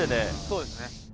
そうですね。